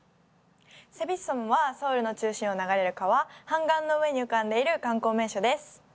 セビッソムはソウルの中心を流れる川、ハンガンの上に浮かんでいる観光名所です。